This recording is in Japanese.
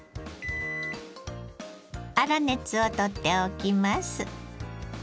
粗熱を取っておきます。